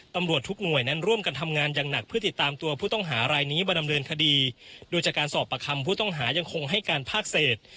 ตำรวจทุกหน่วยนั้นร่วมกันทำงานอย่างหนักเพื่อติดตามตัวผู้ต้องหารายนี้มาดำเนินคดีโดยจากการสอบประคำผู้ต้องหายังคงให้การภาคเศษ